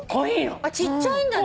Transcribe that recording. ちっちゃいんだね。